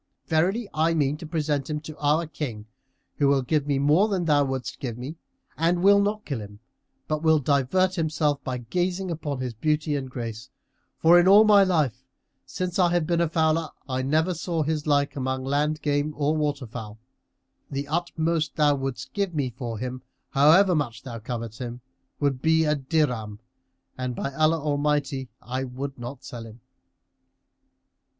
Verily, I mean to present him to our King, who will give me more than thou wouldest give me and will not kill him, but will divert himself by gazing upon his beauty and grace, for in all my life, since I have been a fowler, I never saw his like among land game or water fowl. The utmost thou wouldst give me for him, however much thou covet him, would be a dirham, and, by Allah Almighty I will not sell him!"